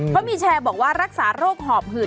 เขามีแชร์บอกว่ารักษาโรคหอบหืด